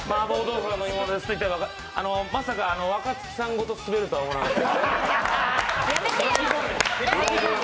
まさか若槻さんごとスベるとは思わなかった。